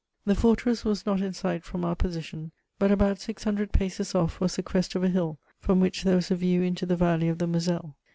The fortress was not in sight from our position ; but about six hundred paces off was the crest of a lull from which there was a view into the valley of the Moselle.